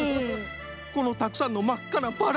このたくさんのまっかなバラ！